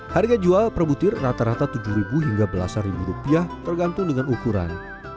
harga jual per butir rata rata tujuh hingga belasan ribu rupiah tergantung dengan ukuran